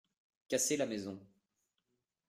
Cassez la maison.